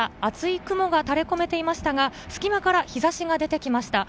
朝から厚い雲がたれ込めていましたが、隙間から日差しが出てきました。